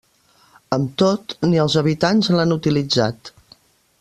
Amb tot, ni els habitants l'han utilitzat.